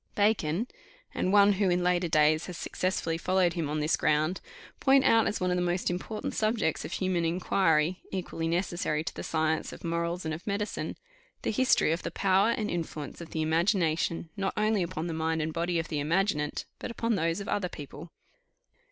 Bacon, and one who in later days has successfully followed him on this ground, point out as one of the most important subjects of human inquiry, equally necessary to the science of morals and of medicine, "The history of the power and influence of the imagination, not only upon the mind and body of the imaginant, but upon those of other people."